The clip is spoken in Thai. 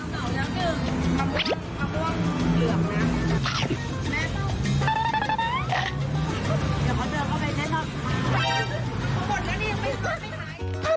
หมดแล้วนี่ยังไม่หยุดไม่หาย